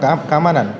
keamanan baru kemudian